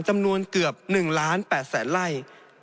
จำนวนเกือบ๑๘๐๐๐๐๐ไร